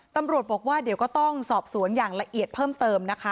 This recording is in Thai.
ตำรวจบอกว่าเดี๋ยวก็ต้องสอบสวนอย่างละเอียดเพิ่มเติมนะคะ